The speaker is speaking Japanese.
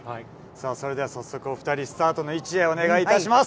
それでは早速お２人、スタートの位置へお願いいたします。